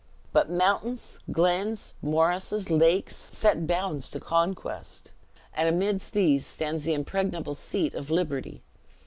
But mountains, glens, morasses, lakes, set bounds to conquest; and amidst these stands the impregnable seat of liberty.